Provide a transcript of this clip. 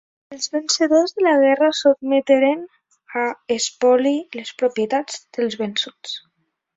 Els vencedors de la guerra sotmeteren a espoli les propietats dels vençuts.